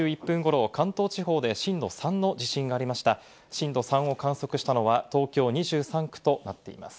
震度３を観測したのは東京２３区となっています。